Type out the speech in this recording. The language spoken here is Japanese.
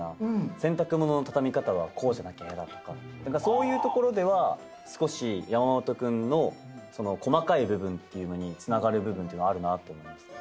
洗濯物の畳み方はこうじゃなきゃやだとかそういうところでは少し山本君の細かい部分っていうのにつながる部分っていうのはあるなと思いますね。